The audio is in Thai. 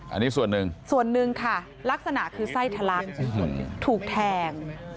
อันนี้ส่วนหนึ่งส่วนหนึ่งค่ะลักษณะคือไส้ทะลักถูกแทง